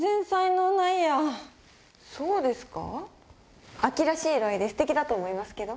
そうですか？